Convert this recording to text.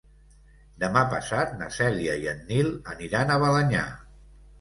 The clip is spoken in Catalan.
Demà passat na Cèlia i en Nil aniran a Balenyà.